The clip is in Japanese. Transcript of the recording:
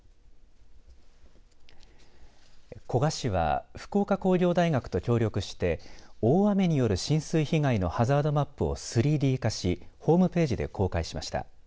古賀市は福岡工業大学と協力して大雨による浸水被害のハザードマップを３Ｄ化しホームページで公開しました。